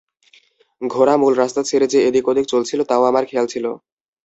ঘোড়া মূল রাস্তা ছেড়ে যে এদিক-ওদিক চলছিল তাও আমার খেয়াল ছিল।